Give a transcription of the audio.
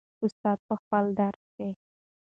استاد په خپل درس کې.